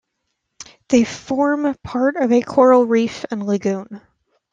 They form part of a coral reef and lagoon.